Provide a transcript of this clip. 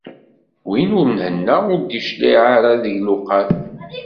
Win ur nhenna, ur d-yecliɛ ara deg lewqat.